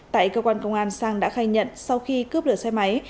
tại cơ quan công an sang đã khai nhận sau khi cướp được xe máy